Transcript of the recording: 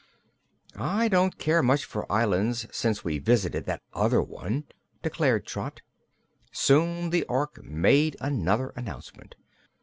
"I don't care much for islands, since we visited that other one," declared Trot. Soon the Ork made another announcement.